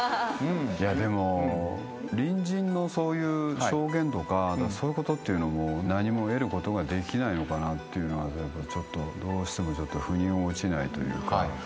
でも隣人のそういう証言とかそういうことっていうのも何も得ることができないのかなっていうのはどうしてもちょっとふに落ちないというか。